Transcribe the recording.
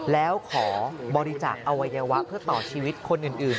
แล้วขอบริจาคอวัยวะเพื่อต่อชีวิตคนอื่น